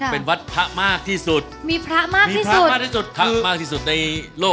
เพราะอีกวัดนึงคือ